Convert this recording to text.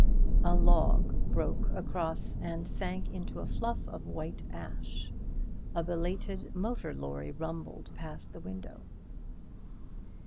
A log broke across and sank into a fluff of white ash. A belated motor lorry rumbled past the window.